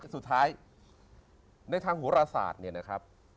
สุดท้ายในทางโหรศาสตร์เนี่ยนะครับ